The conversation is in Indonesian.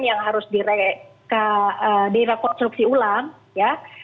yang harus direkonstruksi ulang ya